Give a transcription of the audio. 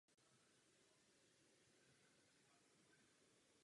Poté vedl ambulantní oddělení na české dětské klinice.